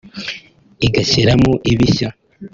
igashyiramo ibishya